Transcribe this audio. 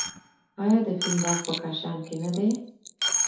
آیا د فین باغ په کاشان کې نه دی؟